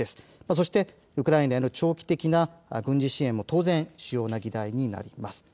そしてウクライナへの長期的な軍事支援も当然主要な議題になります。